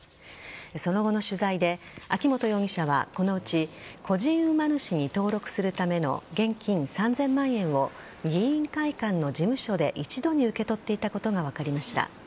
その後の取材で秋本容疑者はこのうち個人馬主に登録するための現金３０００万円を議員会館の事務所で一度に受け取っていたことが分かりました。